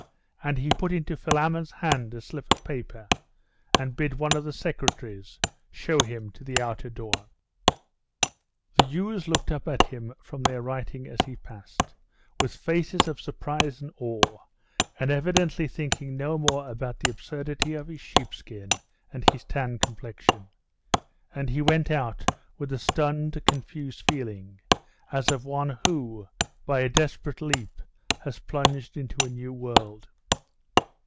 And he put into Philammon's hand a slip of paper, and bid one of the secretaries show him to the outer door. The youths looked up at him from their writing as he passed, with faces of surprise and awe, and evidently thinking no more about the absurdity of his sheepskin and his tanned complexion; and he went out with a stunned, confused feeling, as of one who, by a desperate leap, has plunged into a new world.